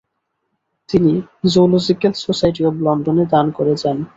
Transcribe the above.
তিনি zoological society of লন্ডনে দান করে যান।